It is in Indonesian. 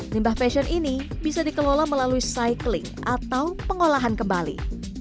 limbah fashion ini bisa dikelola melalui cycling atau pengolahan kembali